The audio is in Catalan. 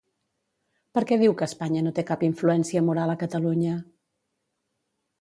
Per què diu que Espanya no té cap influència moral a Catalunya?